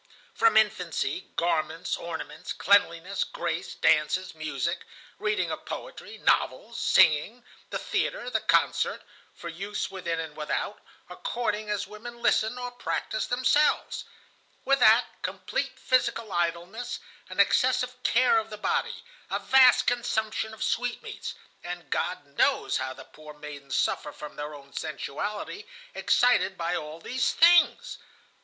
From infancy garments, ornaments, cleanliness, grace, dances, music, reading of poetry, novels, singing, the theatre, the concert, for use within and without, according as women listen, or practice themselves. With that, complete physical idleness, an excessive care of the body, a vast consumption of sweetmeats; and God knows how the poor maidens suffer from their own sensuality, excited by all these things.